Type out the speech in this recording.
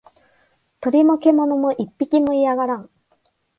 鳥も獣も一匹も居やがらん